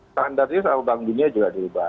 standarnya sama bank dunia juga dirubah